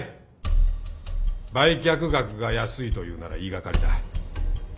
売却額が安いと言うなら言い掛かりだ。